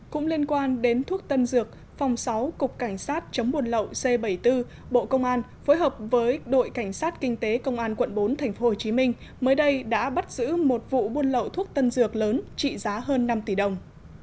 cũng liên quan đến thuốc tân dược phòng sáu cục cảnh sát chống buôn lậu c bảy mươi bốn bộ công an phối hợp với đội cảnh sát kinh tế công an quận bốn tp hcm mới đây đã bắt giữ một vụ buôn lậu thuốc tân dược lớn trị giá hơn năm tỷ đồng